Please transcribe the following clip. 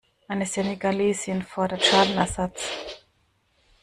Eine Senegalesin fordert Schadenersatz.